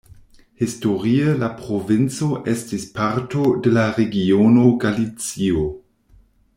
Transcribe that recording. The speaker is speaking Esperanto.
Historie la provinco estis parto de la regiono Galicio.